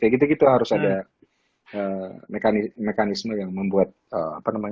gitu gitu harus ada mekanisme yang membuat apa namanya